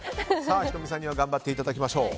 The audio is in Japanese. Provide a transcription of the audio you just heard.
仁美さんには頑張っていただきましょう。